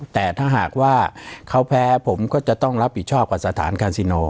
แต่ถ้าหากว่าเขาแพ้ผมก็จะต้องรับผิดชอบกับสถานกาซิโน